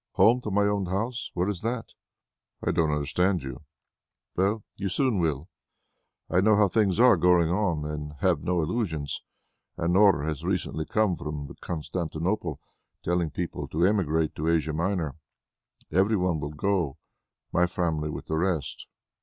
"Home to my own house? Where is that?" "I don't understand you." "Well, you soon will. I know how things are going on and have no illusions. An order has recently come from Constantinople telling people to emigrate to Asia Minor. Every one will go; my family with the rest.